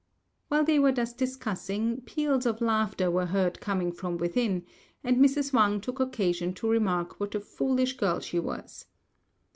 While they were thus discussing, peals of laughter were heard coming from within, and Mrs. Wang took occasion to remark what a foolish girl she was.